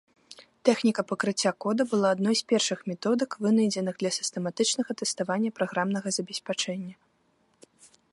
Тэхніка пакрыцця кода была адной з першых методык, вынайдзеных для сістэматычнага тэставання праграмнага забеспячэння.